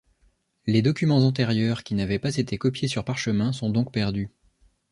Les documents antérieurs qui n'avaient pas été copiés sur parchemin sont donc perdus.